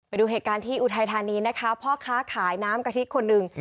ไปดูเหตุการณ์ที่อุทัยธานีนะคะพ่อค้าขายน้ำกะทิคนหนึ่ง